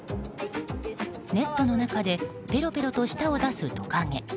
ネットの中でペロペロと舌を出すトカゲ。